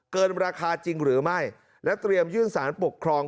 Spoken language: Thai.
เกินราคาจริงหรือไม่และเตรียมยื่นสารปกครอง